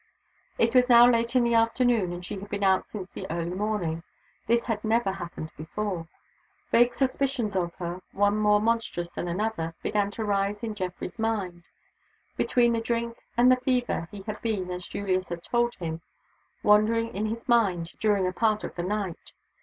It was now late in the afternoon, and she had been out since the early morning. This had never happened before. Vague suspicions of her, one more monstrous than another, began to rise in Geoffrey's mind. Between the drink and the fever, he had been (as Julius had told him) wandering in his mind during a part of the night.